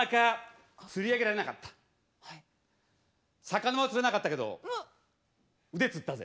魚は釣れなかったけど腕つったぜ。